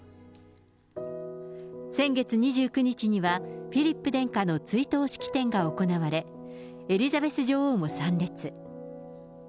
先月２９日には、フィリップ殿下の追悼式典が行われ、エリザベス女王も参列。